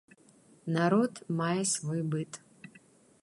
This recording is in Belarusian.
Народ мае свой быт.